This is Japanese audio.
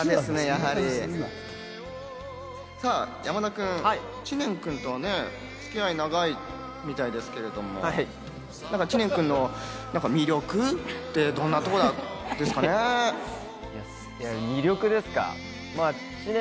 山田君、知念君とはつき合い長いみたいですけど、知念君の魅力ってどんなところですかね？